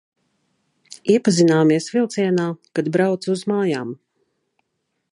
Iepazināmies vilcienā, kad braucu uz mājām.